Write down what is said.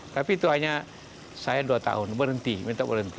tapi itu hanya saya dua tahun berhenti minta berhenti